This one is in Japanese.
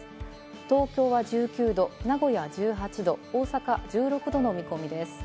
東京は１９度、名古屋１８度、大阪１６度の見込みです。